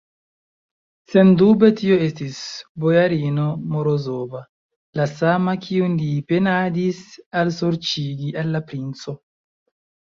Sendube, tio estis bojarino Morozova, la sama, kiun li penadis alsorĉigi al la princo.